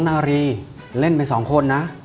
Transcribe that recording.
นารีเล่นไปสองคนนะ